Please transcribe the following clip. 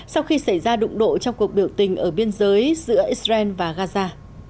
sau khi xảy ra đụng độ trong cuộc biểu tình ở biên giới giữa israel và gaza